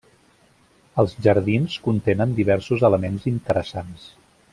Els jardins contenen diversos elements interessants.